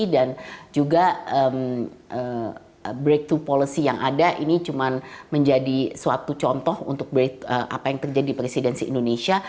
dan juga breakthrough policy yang ada ini cuma menjadi suatu contoh untuk apa yang terjadi di presidensi indonesia